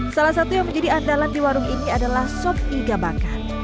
salah satu yang menjadi andalan di warung ini adalah sop iga bakar